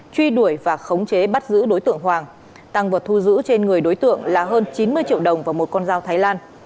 truy đuổi và khống chế bắt giữ đối tượng hoàng tăng vật thu giữ trên người đối tượng là hơn chín mươi triệu đồng và một con dao thái lan